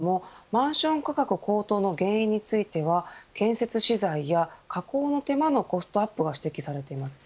先ほどのＶＴＲにもありましたけれどもマンション価格高騰の原因については建設資材や加工の手間のコストアップが指摘されています。